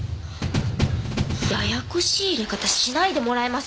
ややこしい淹れ方しないでもらえます！？